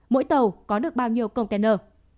mỗi tàu có được bao nhiêu container